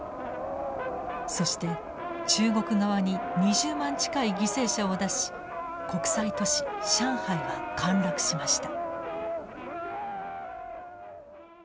そして中国側に２０万近い犠牲者を出し国際都市上海は陥落しました。